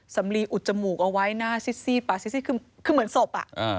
สำลีอุดจมูกเอาไว้หน้าซี๊ดป่ะซี๊ดคือเหมือนศพอะ